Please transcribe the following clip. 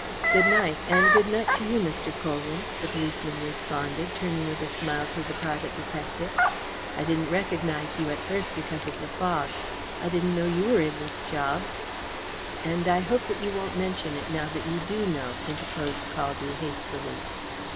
"Good night, and good night to you, Mr. Colwyn," the policeman responded, turning with a smile to the private detective. "I didn't recognize you at first because of the fog. I didn't know you were in this job." "And I hope that you won't mention it, now that you do know," interposed Caldew hastily.